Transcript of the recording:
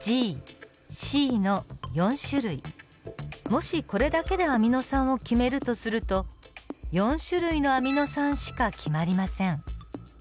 もしこれだけでアミノ酸を決めるとすると４種類のアミノ酸しか決まりません。